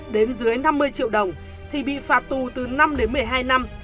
đến dưới năm mươi triệu đồng thì bị phạt tù từ năm đến một mươi hai năm